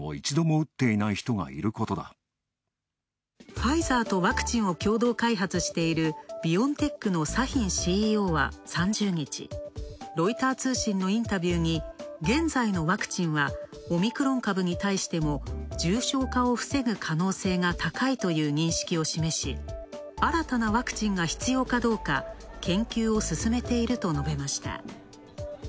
ファイザーとワクチンを共同開発しているビオンテックのサヒンＣＥＯは３０日、ロイター通信のインタビューに現在のワクチンは、オミクロン株に対しても重症化を防ぐ可能性が高いという認識を示し、新たなワクチンが必要かどうか研究を進めていると述べました。